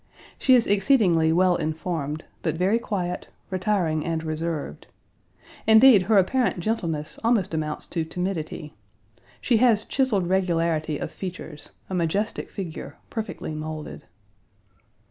She is exceedingly well informed, but very quiet, retiring, and reserved. Indeed, her apparent gentleness almost amounts to timidity. She has chiseled regularity of features, a majestic figure, perfectly molded.